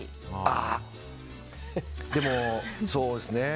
あっでも、そうですね。